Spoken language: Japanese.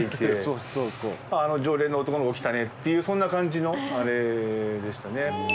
あああの常連の男の子来たねっていうそんな感じのあれでしたね。